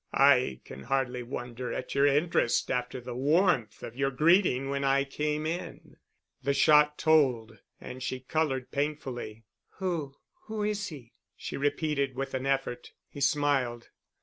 "I can hardly wonder at your interest after the warmth of your greeting when I came in." The shot told and she colored painfully. "Who—who is he?" she repeated with an effort. He smiled.